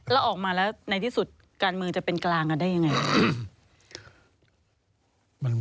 แล้วออกมาแล้วในที่สุดการเมืองจะเป็นกลางกันได้ยังไง